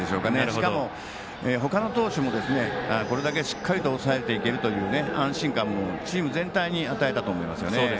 しかも他の投手もこれだけしっかり抑えていけるという安心感もチーム全体に与えたと思います。